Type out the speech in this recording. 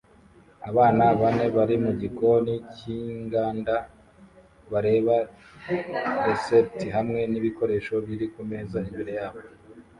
Abana bane bari mugikoni cyinganda bareba resept hamwe nibikoresho biri kumeza imbere yabo